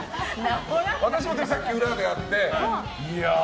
私もさっき裏で会っていやー